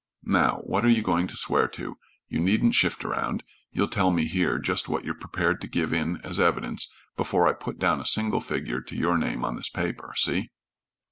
"Now, what are you going to swear to? You needn't shift round. You'll tell me here just what you're prepared to give in as evidence before I put down a single figure to your name on this paper. See?"